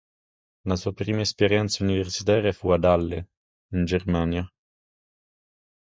La sua prima esperienza universitaria fu ad Halle, in Germania.